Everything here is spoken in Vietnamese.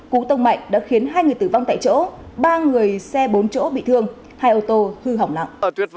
cú tông mạnh đã khiến hai người tử vong tại chỗ ba người xe bốn chỗ bị thương hai ô tô hư hỏng nặng